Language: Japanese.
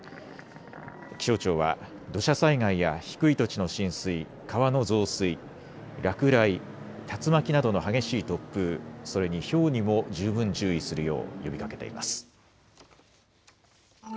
気象庁は土砂災害や低い土地の浸水、川の増水、落雷、竜巻などの激しい突風、それにひょうにも十分注意するよう呼びかけています。